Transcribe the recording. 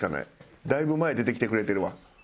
だいぶ前出てきてくれてるわ。